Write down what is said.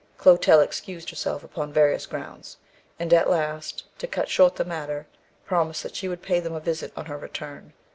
Clotel excused herself upon various grounds, and at last, to cut short the matter, promised that she would pay them a visit on her return.